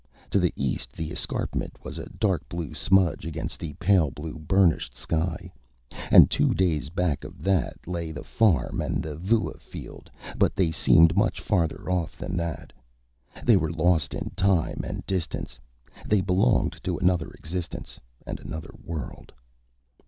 To the east, the escarpment was a dark blue smudge against the pale blue burnished sky. And two days back of that lay the farm and the vua field, but they seemed much farther off than that. They were lost in time and distance; they belonged to another existence and another world.